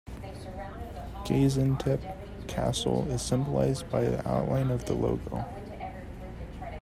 Gaziantep castle is symbolized by the outline of the logo.